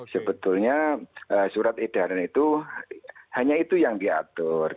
sebetulnya surat edaran itu hanya itu yang diatur